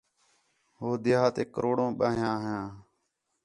ہو دیہاتیک کروڑوں ٻانھیاں ہیاں